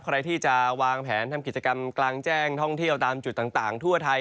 ใครที่จะวางแผนทำกิจกรรมกลางแจ้งท่องเที่ยวตามจุดต่างทั่วไทย